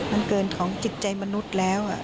มันเกินของจิตใจมนุษย์แล้ว